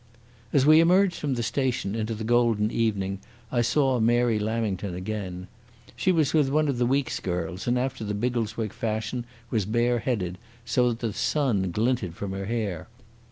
As we emerged from the station into the golden evening I saw Mary Lamington again. She was with one of the Weekes girls, and after the Biggleswick fashion was bareheaded, so that the sun glinted from her hair.